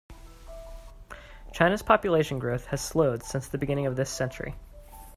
China's population growth has slowed since the beginning of this century.